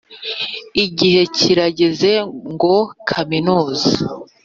igihe kirageze ngo kaminuza,